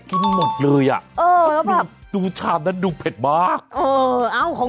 กินหมดเลยดูชาวนั้นดูเผ็ดมาก